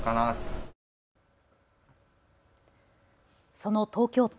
その東京都。